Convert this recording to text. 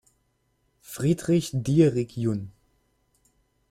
Friedrich Dierig jun.